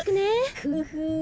フフフ。